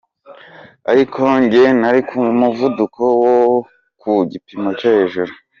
ariko njye nari kumuvuduko wo ku gipimo cyo hejuru.